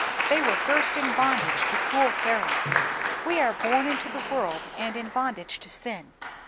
They were first in bondage to cruel Pharaoh; we are born into the world in bondage to sin.